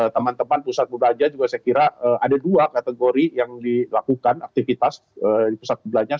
teman teman pusat belanja juga saya kira ada dua kategori yang dilakukan aktivitas di pusat perbelanjaan